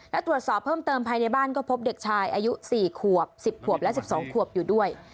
และตรวจสอบเพิ่มเติมภายในบ้านก็พบเด็กชายอายุ๔ขวบ๑๐ขวบและ๑๒ขวบอยู่ด้วย